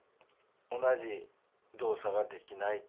同じ動作ができない。